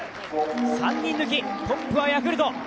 ３人抜き、トップはヤクルト。